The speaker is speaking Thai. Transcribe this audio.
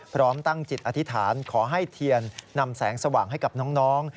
พร้อมตั้งจิตอธิษฐานขอให้เทียนนำแสงสว่างให้กับน้อง